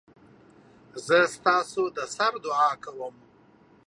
زه ستاسودسر دعاکوم